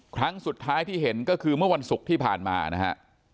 ครั้งสุดท้ายที่เห็นก็คือเมื่อวันศุกร์ที่ผ่านมานะฮะ